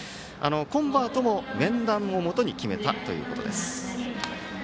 コンバートも、面談をもとに決めたということです。